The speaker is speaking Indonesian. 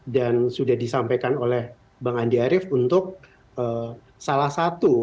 dan sudah disampaikan oleh bang andi arief untuk salah satu